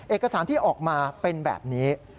เอกสารที่ออกมาเป็นแบบนี้